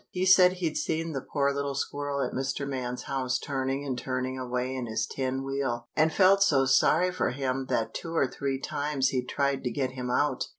He said he'd seen that poor little squirrel at Mr. Man's house turning and turning away in his tin wheel, and felt so sorry for him that two or three times he'd tried to get him out.